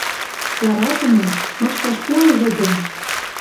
«Яратымем, мышкаш пуай вӹдӹм...